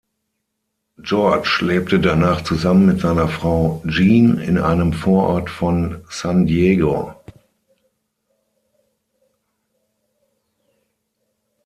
George lebte danach zusammen mit seiner Frau Jean in einem Vorort von San Diego.